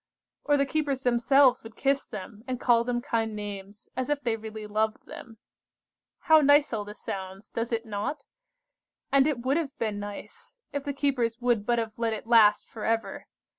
Or the keepers themselves would kiss them, and call them kind names, as if they really loved them. How nice all this sounds, does it not? And it would have been nice, if the keepers would but have let it last for ever.